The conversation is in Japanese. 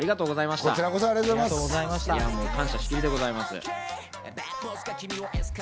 しきりでございます。